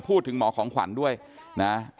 พูดถึงหมอของขวัญด้วยนะ